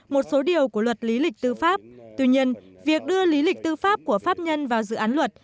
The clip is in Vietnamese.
một số điều của luật lý lịch tư pháp tuy nhiên việc đưa lý lịch tư pháp của pháp nhân vào dự án luật